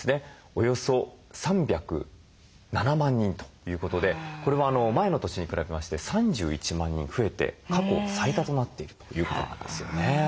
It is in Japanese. およそ３０７万人ということでこれは前の年に比べまして３１万人増えて過去最多となっているということなんですよね。